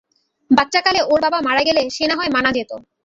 বাচ্চাকালে ওর বাবা মারা গেলে, সে না হয় মানা যেত।